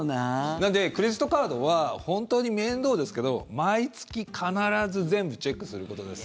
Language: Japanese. なのでクレジットカードは本当に面倒ですけど毎月、必ず全部チェックすることです。